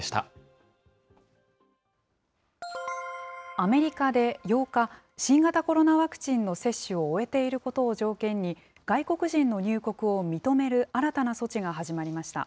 アメリカで８日、新型コロナワクチンの接種を終えていることを条件に、外国人の入国を認める新たな措置が始まりました。